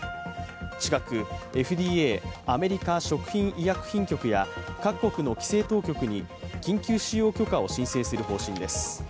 近くＦＤＡ＝アメリカ食品医薬品局や各国の規制当局に緊急使用許可を申請する方針です。